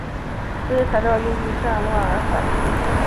这些材料由于战乱而散失。